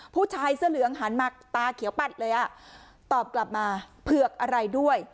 ผู้ชายเสื้อเหลืองหันมาตาเขียวปัดเลยอ่ะตอบกลับมาเผือกอะไรด้วย